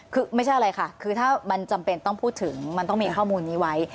คือไม่ใช่อะไรค่ะคือถ้ามันจำเป็นต้องพูดถึงมันต้องมีข้อมูลนี้ไว้